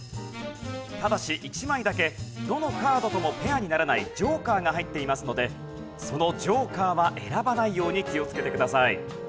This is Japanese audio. ただし１枚だけどのカードともペアにならないジョーカーが入っていますのでそのジョーカーは選ばないように気をつけてください。